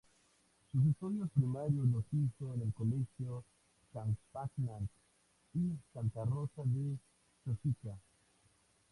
Sus estudios primarios los hizo en el Colegio Champagnat y Santa Rosa de Chosica.